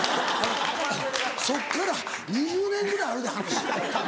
そっから２０年ぐらいあるで話。